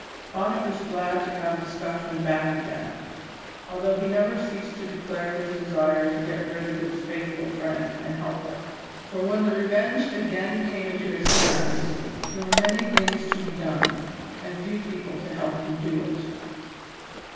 Bonnet was glad to have the Scotchman back again, although he never ceased to declare his desire to get rid of this faithful friend and helper; for, when the Revenge again came into his hands, there were many things to be done, and few people to help him do it.